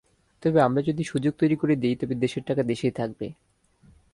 তবে আমরা যদি সুযোগ তৈরি করে দিই, তবে দেশের টাকা দেশেই থাকবে।